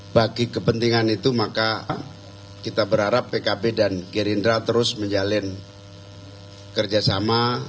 bagi kepentingan itu maka kita berharap pkb dan gerindra terus menjalin kerjasama